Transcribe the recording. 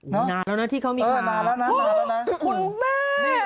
นานแล้วนะที่เขามีค่าคุณแม่